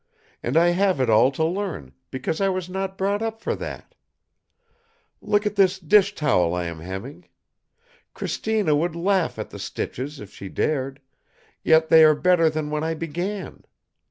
And I have it all to learn because I was not brought up for that. Look at this dish towel I am hemming. Cristina would laugh at the stitches if she dared, yet they are better than when I began.